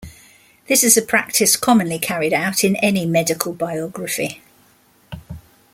This is a practice commonly carried out in any medical biography.